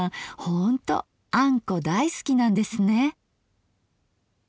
ほんとあんこ大好きなんですね。